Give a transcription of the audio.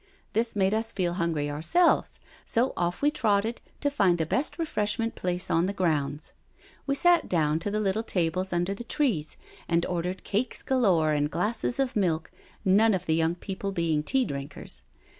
This made us feel hungry ourselves, so off we trotted to find the best refreshment place on the grounds. We sat down to the little tables under the trees and ordered cakes galore and glasses of milk, none of the young people being tea drinkers.